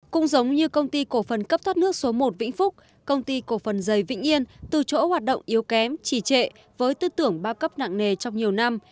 cũng giống như công ty cổ phần cấp thoát nước số một vĩnh phúc công ty cổ phần dày vĩnh yên từ chỗ hoạt động yếu kém trì trệ với tư tưởng ba cấp nặng nề trong nhiều năm